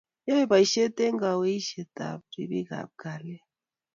yaei boishet eng kaiweishet ab ripik ab kalyet